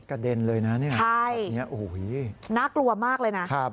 กระเด็นเลยนะนี่อันนี้โอ้โหน่ากลัวมากเลยนะ